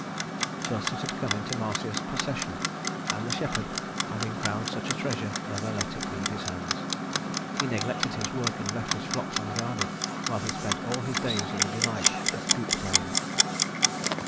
Thus it had come into Marsyas's possession; and the shepherd, having found such a treasure, never let it leave his hands. He neglected his work and left his flocks unguarded while he spent all his days in the delight of flute playing.